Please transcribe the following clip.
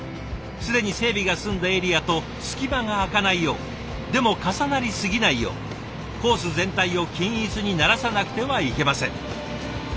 既に整備が済んだエリアと隙間が空かないようでも重なりすぎないようコース全体を均一にならさなくてはいけません。